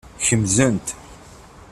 Kemzent.